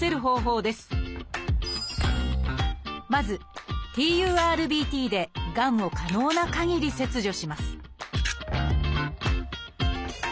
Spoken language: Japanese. まずＴＵＲＢＴでがんを可能なかぎり切除します